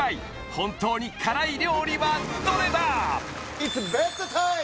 本当に辛い料理はどれだ？